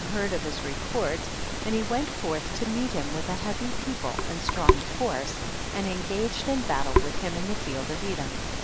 heard of his report, and he went forth to meet him with a heavy people and strong force, and engaged in battle with him in the field of Edom.